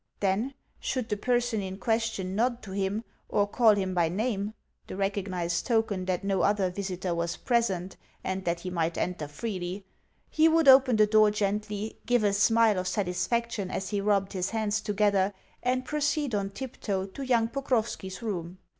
Then, should the person in question nod to him, or call him by name (the recognised token that no other visitor was present, and that he might enter freely), he would open the door gently, give a smile of satisfaction as he rubbed his hands together, and proceed on tiptoe to young Pokrovski's room.